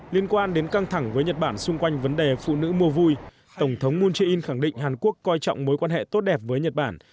liên quan đến căng thẳng với nhật bản xung quanh vấn đề phụ nữ mua vui tổng thống moon jae in khẳng định hàn quốc coi trọng mối quan hệ tốt đẹp với nhật bản